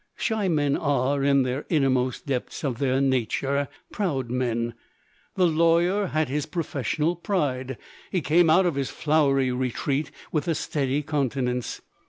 Shy men are, in the innermost depths of their nature, proud men: the lawyer had his professional pride. He came out of his flowery retreat, with a steady countenance.